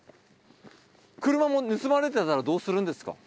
車も盗まれてたらどうするんですか？